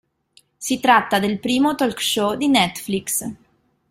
Si tratta del primo talk show di Netflix.